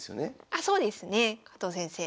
あそうですね。加藤先生